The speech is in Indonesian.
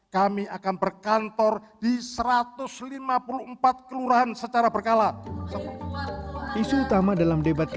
kami akan berkantor di satu ratus lima puluh empat kakak